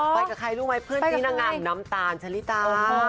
ไปกับใครรู้ไหมเพื่อนสีนางงามน้ำตาลชะลิตา